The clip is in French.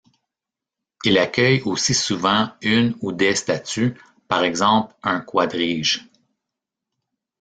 Il accueille aussi souvent une ou des statues, par exemple un quadrige.